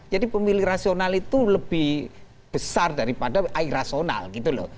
jadi pemilih rasional itu lebih besar daripada airasional gitu loh